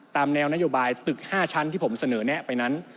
ตามแนวนโยบายตึก๕ชั้นที่ผมเสนอแนะไปนั้น